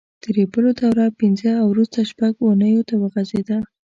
د ریبلو دوره پینځه او وروسته شپږ اوونیو ته وغځېده.